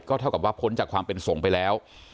เท่ากับว่าพ้นจากความเป็นสงฆ์ไปแล้ว